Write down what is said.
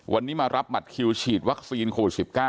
วันนี้มารับบัตรคิวฉีดวัคซีนโควิด๑๙